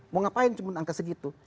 mau ngapain cuma angka segitu